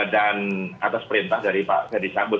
dan atas perintah dari pak ferry sambul